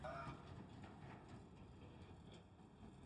Kata kwa umbo unalotaka